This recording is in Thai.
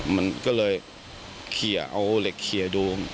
มันก็เลยเคลียร์เอาเหล็กเคลียร์ดู